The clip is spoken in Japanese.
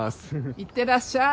いってらっしゃい。